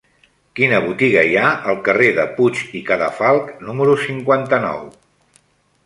Quina botiga hi ha al carrer de Puig i Cadafalch número cinquanta-nou?